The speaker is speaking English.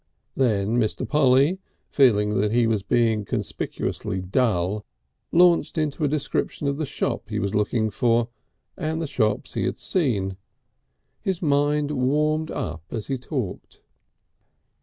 Then Mr. Polly, feeling that he was being conspicuously dull, launched into a description of the shop he was looking for and the shops he had seen. His mind warmed up as he talked.